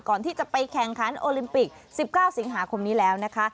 ก่อนที่จะไปแข่งขันโอลิมปิก๑๙สิงหาคมนี้แล้วนะคะ